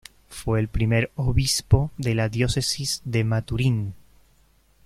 Fue el primer obispo de la Diócesis de Maturín.